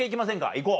「行こう」